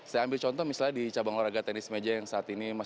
saya ambil contoh misalnya di cabang olahraga tenis meja yang saat ini